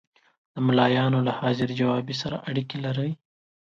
د ملایانو له حاضر جوابي سره اړیکې لري.